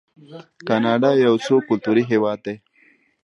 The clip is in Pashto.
کاناډا یو څو کلتوری هیواد دی.